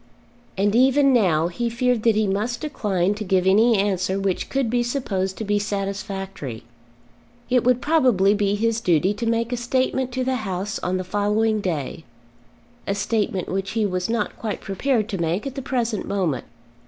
And even now, he feared that he must decline to give any answer which could be supposed to be satisfactory. It would probably be his duty to make a statement to the House on the following day, a statement which he was not quite prepared to make at the present moment.